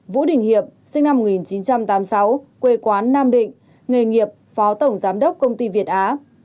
vũ đình hiệp sinh năm một nghìn chín trăm tám mươi sáu quê quán nam định nghề nghiệp phó tổng giám đốc công ty việt á